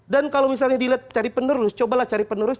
dan kalau misalnya dilihat cari penerus cobalah cari penerus